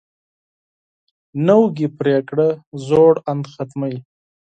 نوې پریکړه زوړ اند ختموي